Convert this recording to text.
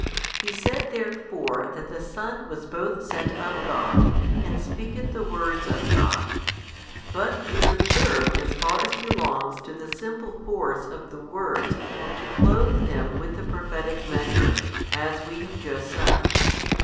He said therefore that the Son was both sent of God, and speaketh the words of God. But he is observed as far as belongs to the simple force of the words to clothe |194 Him with the prophetic measure, as we have just said.